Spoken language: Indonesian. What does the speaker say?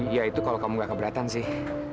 ya itu kalau kamu gak keberatan sih